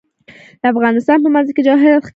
د افغانستان په منظره کې جواهرات ښکاره ده.